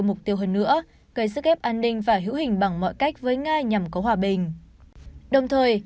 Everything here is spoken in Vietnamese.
mục tiêu hơn nữa gây sức ép an ninh và hữu hình bằng mọi cách với nga nhằm có hòa bình đồng thời